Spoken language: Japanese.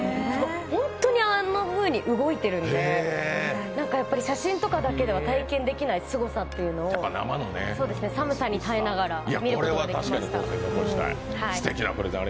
本当にあんなふうに動いているんで写真とかだけでは体験できないすごさというのを寒さに耐えながら見ることができました。